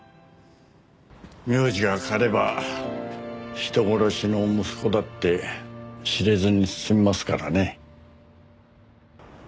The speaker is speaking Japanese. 名字が変われば人殺しの息子だって知れずに済みますからね。